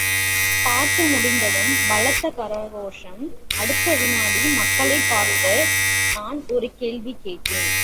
பாட்டு முடிந்ததும் பலத்த கரகோஷம், அடுத்த வினாடிமக்களைப் பார்த்து நான் ஒரு கேள்வி கேட்டேன்.